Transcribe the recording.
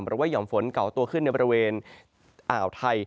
หย่อมฝนเก่าตัวขึ้นในบริเวณอ่าวไทย